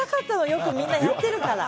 よくみんなやってるから。